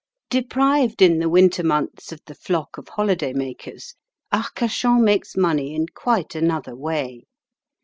Deprived in the winter months of the flock of holiday makers, Arcachon makes money in quite another way.